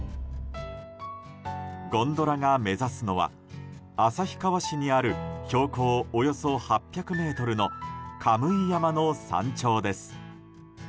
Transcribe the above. ゴンドラが目指すのは旭川市にある標高およそ８００ｍの神居山の山頂です。